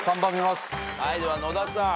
はいでは野田さん。